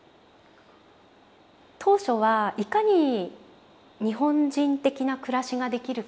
当初はいかに日本人的な暮らしができるか。